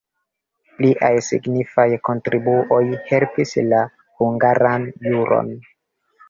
Liaj signifaj kontribuoj helpis la hungaran juron.